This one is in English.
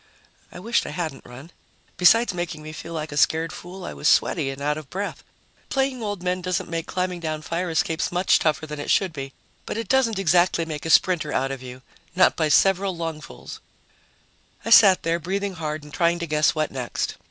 I wished I hadn't run. Besides making me feel like a scared fool, I was sweaty and out of breath. Playing old men doesn't make climbing down fire escapes much tougher than it should be, but it doesn't exactly make a sprinter out of you not by several lungfuls. I sat there, breathing hard and trying to guess what next.